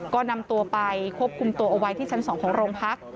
ก็นำตัวไปควบคุมตัวเอาไว้ที่ชั้น๒ของโรงพัก